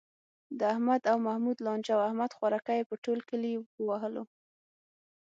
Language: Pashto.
د احمد او محمود لانجه وه، احمد خوارکی یې په ټول کلي و وهلو.